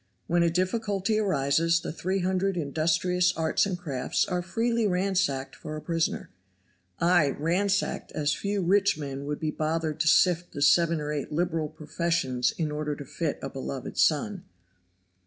When a difficulty arises, the three hundred industrious arts and crafts are freely ransacked for a prisoner; ay! ransacked as few rich men would be bothered to sift the seven or eight liberal professions in order to fit a beloved son.